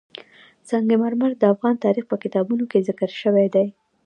سنگ مرمر د افغان تاریخ په کتابونو کې ذکر شوی دي.